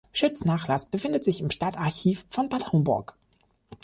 Schütz' Nachlass befindet sich im Stadtarchiv von Bad Homburg.